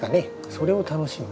それを楽しむ。